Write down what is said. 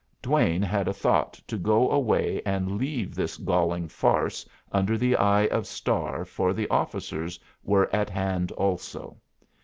Duane had a thought to go away and leave this galling farce under the eye of Starr for the officers were at hand also.